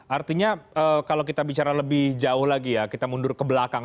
artinya kalau kita bicara lebih jauh lagi ya kita mundur ke belakang